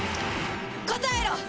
答えろ！